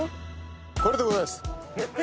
これでございます。